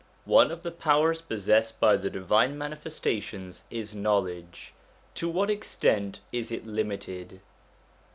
One of the powers possessed by the Divine Manifestations is knowledge: to what extent is it limited